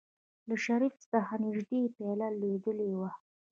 له شريف څخه نژدې پياله لوېدلې وه.